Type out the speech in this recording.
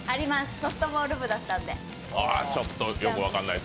ソフトボール部だったんで。